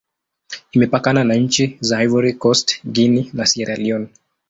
Imepakana na nchi za Ivory Coast, Guinea, na Sierra Leone.